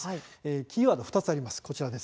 キーワードは２つあります。